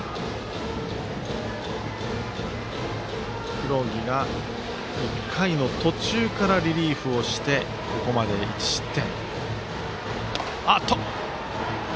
黒木が１回の途中からリリーフをしてここまで１失点。